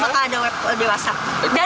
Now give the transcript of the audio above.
kalau itu bakal ada web dewasa